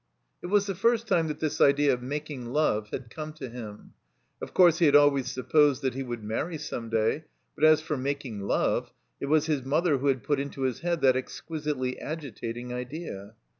It was the first time that this idea of making love had come to him. Of course he had always sup posed that he would marry some day; but as for making love, it was his mother who had put into his head that exqmsitely agitating idea.